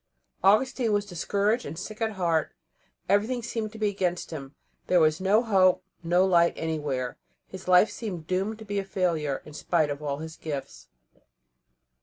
Augustine was discouraged and sick at heart; everything seemed to be against him; there was no hope, no light anywhere. His life seemed doomed to be a failure, in spite of all his gifts.